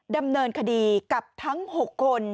ดำเนินคดีกับทั้ง๖คน